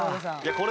これ。